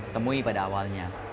ketemui pada awalnya